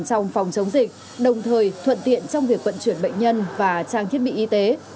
trong phòng chống dịch đồng thời thuận tiện trong việc vận chuyển bệnh nhân và trang thiết bị y tế